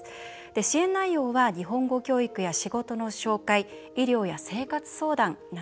支援内容は日本語教育や仕事の紹介医療や生活相談などです。